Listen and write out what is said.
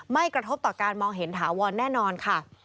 กระทบต่อการมองเห็นถาวรแน่นอนค่ะ